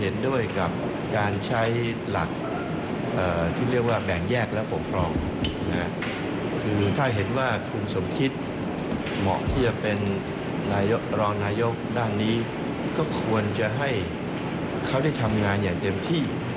นายุขดั้นนี้ก็ควรจะให้เขาได้ทำงานอย่างเต็มที่